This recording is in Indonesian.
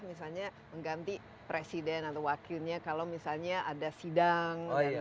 misalnya mengganti presiden atau wakilnya kalau misalnya ada sidang